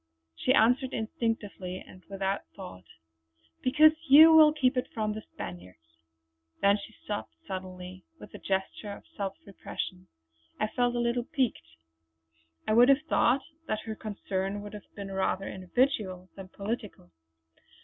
She answered instinctively and without thought: "Because you will keep it from the Spaniards!" Then she stopped suddenly, with a gesture of self repression. I felt a little piqued. I would have thought that her concern would have been rather individual than political.